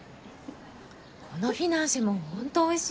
このフィナンシェもほんと美味しい。